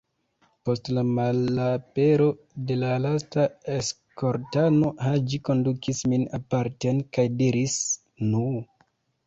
Post la malapero de la lasta eskortano, Haĝi kondukis min aparten kaj diris: "Nu!"